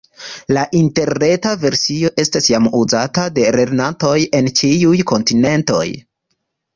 La interreta versio estas jam uzata de lernantoj en ĉiuj kontinentoj.